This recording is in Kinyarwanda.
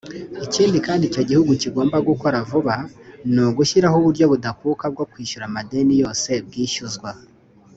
Ikindi kandi icyo gihugu kigomba gukora vuba ni ugushyiraho uburyo budakuka bwo kwishyura amadeni yose bwishyuzwa